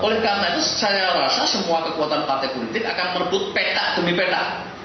dan karena itu saya rasa semua kekuatan partai politik akan merebut peta demi peta